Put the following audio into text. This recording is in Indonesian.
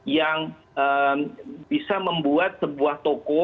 yang bisa membuat sebuah toko